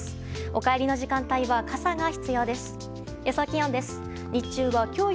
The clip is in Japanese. お帰りの時間帯は傘が必要です。